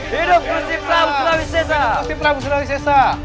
hidup kursi prabu surawis sesa